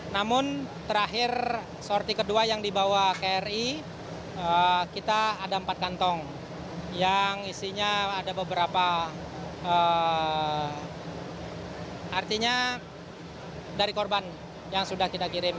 namun terakhir sorti kedua yang dibawa kri kita ada empat kantong yang isinya ada beberapa artinya dari korban yang sudah kita kirim